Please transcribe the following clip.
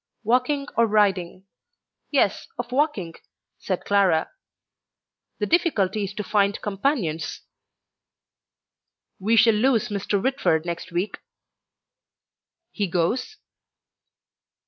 "Walking or riding; yes, of walking," said Clara. "The difficulty is to find companions." "We shall lose Mr. Whitford next week." "He goes?"